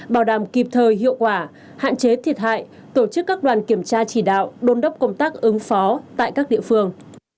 bảo đảm kịp thời hiệu quả hạn chế thiệt hại tổ chức các đoàn kiểm tra chỉ đạo đôn đốc công tác ứng phó tại các địa phương